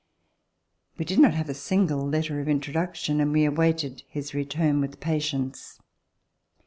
We did not have a single letter of introduction, and we awaited his return with patience.